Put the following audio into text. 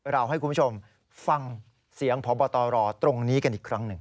เราให้คุณผู้ชมฟังเสียงพบตรตรงนี้กันอีกครั้งหนึ่ง